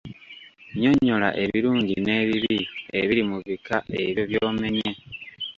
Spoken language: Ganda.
Nnyonnyola ebirungi n'ebibi ebiri mu bika ebyo by'omenye.